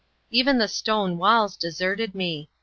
Even the stone walls deserted me.